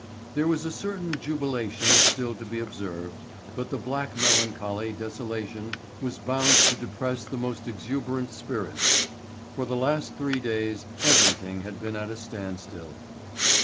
There was a certain jubilation still to be observed, but the black melancholy desolation was bound to depress the most exuberant spirits. For the last three days everything had been at a standstill.